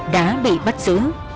đã bị bắt đầu